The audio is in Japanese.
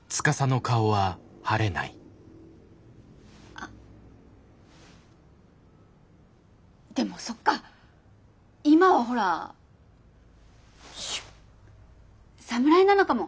あでもそっか今はほらシュッ侍なのかも。